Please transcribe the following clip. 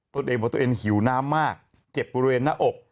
ตัวเองบอกตัวเองหิวน้ำมากเจ็บบริเวณหน้าอก